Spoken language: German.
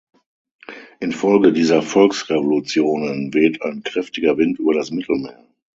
Infolge dieser Volksrevolutionen weht ein kräftiger Wind über das Mittelmeer.